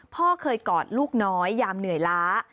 พ่อเคยกอดลูกน้อยยามเหนื่อยล้า